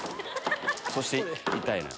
そして痛いのよ。